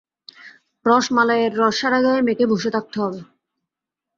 রসমালাইয়ের রস সারা গায়ে মেখে বসে থাকতে হবে।